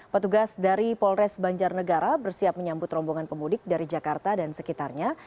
petugas dari polres banjarnegara bersiap menyambut rombongan pemudik dari jakarta dan sekitarnya